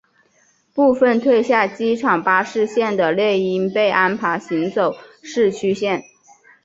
部份退下机场巴士线的猎鹰被安排行走市区线。